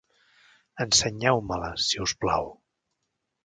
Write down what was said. Ensenyeu-me-la, si us plau.